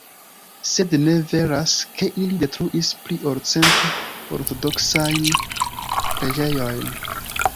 Sed ne veras, ke ili detruis pli ol cent ortodoksajn preĝejojn.